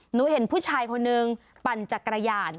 หนูเห็นผู้ชายคนนึงปั่นจักรยาน